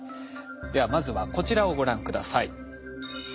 ではまずはこちらをご覧下さい。